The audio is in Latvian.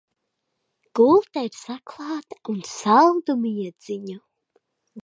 Gulta ir saklāta un saldu miedziņu!